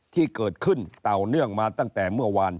ที่เกิดขึ้นต่อเนื่องมาตั้งแต่เมื่อวาน